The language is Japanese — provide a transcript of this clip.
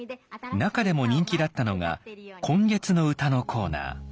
中でも人気だったのが「今月の歌」のコーナー。